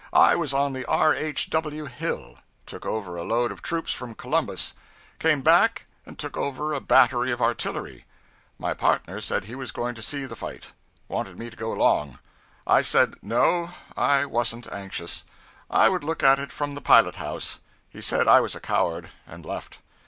I was on the 'R. H. W. Hill.' Took over a load of troops from Columbus. Came back, and took over a battery of artillery. My partner said he was going to see the fight; wanted me to go along. I said, no, I wasn't anxious, I would look at it from the pilot house. He said I was a coward, and left.